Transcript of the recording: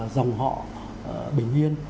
rồng họ bình yên